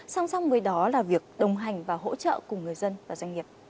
song song với đó là việc đồng hành và hỗ trợ cùng người dân và doanh nghiệp